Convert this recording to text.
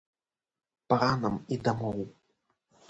Пара нам і дамоў.